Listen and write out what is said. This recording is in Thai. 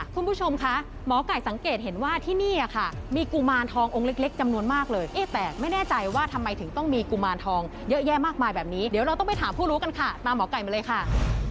คุณผู้ชมคะหมอไก่สังเกตเห็นว่าที่นี่ค่ะมีกุมารทององค์เล็กจำนวนมากเลยเอ๊ะแต่ไม่แน่ใจว่าทำไมถึงต้องมีกุมารทองเยอะแยะมากมายแบบนี้เดี๋ยวเราต้องไปถามผู้รู้กันค่ะตามหมอไก่มาเลยค่ะ